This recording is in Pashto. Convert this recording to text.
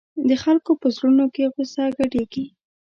د خلکو په زړونو کې غوسه ګډېږي.